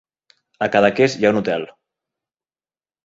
A Cadaqués hi ha un hotel.